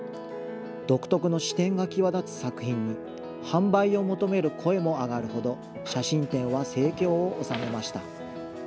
独特の視点が際立つ作品に、販売を求める声も上がるほど、写真展は盛況を収めました。